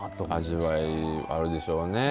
味わいあるでしょうね。